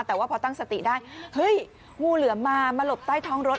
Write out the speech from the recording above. แต่ว่าพอตั้งสติได้เฮ้ยงูเหลือมมามาหลบใต้ท้องรถ